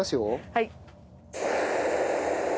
はい。